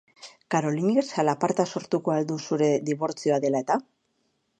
Carolinek zalaparta sortuko al du zure dibortzioa dela eta?